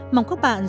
mong các bạn